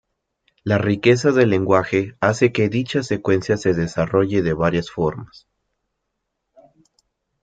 La riqueza del lenguaje hace que dicha secuencia se desarrolle de varias formas.